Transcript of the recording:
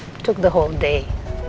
bisa sepanjang hari